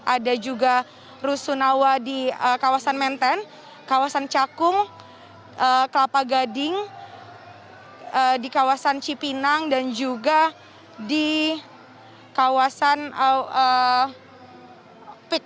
ada juga rusun awa di kawasan menten kawasan cakung kelapa gading di kawasan cipinang dan juga di kawasan pik